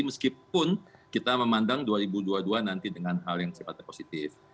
meskipun kita memandang dua ribu dua puluh dua nanti dengan hal yang sifatnya positif